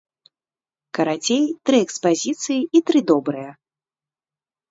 Карацей, тры экспазіцыі і тры добрыя!